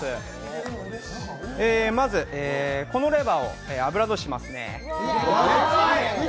まずはこのレバーを油通しします。